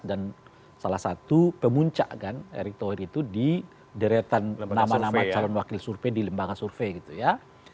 dan salah satu pemuncak kan erick thohir itu di deretan nama nama calon wakil survei di lembaga survei gitu ya